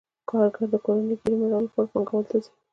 کارګر د کورنۍ ګېډې مړولو لپاره پانګوال ته ځي